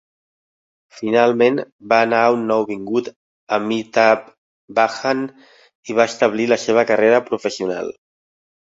Finalment, va anar a un nouvingut Amitabh Bachchan i va establir la seva carrera professional.